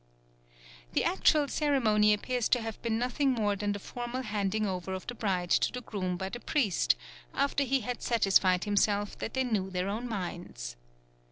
The actual ceremony appears to have been nothing more than the formal handing over of the bride to the groom by the priest, after he had satisfied himself that they knew their own minds.